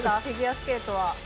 フィギュアスケートは。